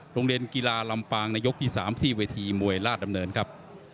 โรงเรียนกีฬาลำปางในยกที่๓ที่เวทีมวยราชดำเนินครับ